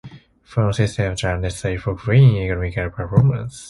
Fan systems are necessary for clean, economical performance.